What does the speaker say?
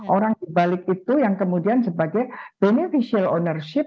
orang dibalik itu yang kemudian sebagai beneficial ownership